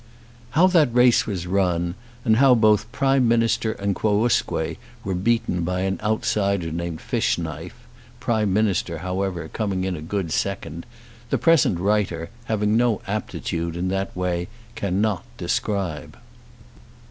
How that race was run, and how both Prime Minister and Quousque were beaten by an outsider named Fishknife, Prime Minister, however, coming in a good second, the present writer having no aptitude in that way, cannot describe.